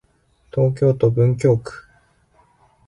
東京都文京区